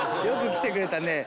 よく来てくれたね。